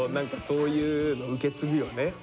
そういうの受け継ぐよね。